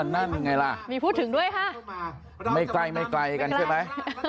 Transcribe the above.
นั่นไงล่ะมีพูดถึงด้วยค่ะไม่ใกล้ไม่ไกลกันใช่ไหม